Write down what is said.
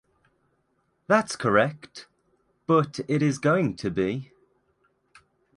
That’s correct, but it is going to be.